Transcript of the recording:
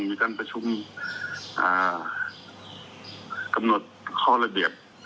มีการประชุมกำหนดข้อระเบียบ